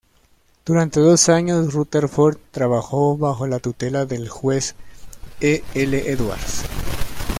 Durante dos años, Rutherford trabajó bajo la tutela del juez E. L. Edwards.